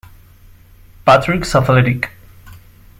Patrick's Athletic.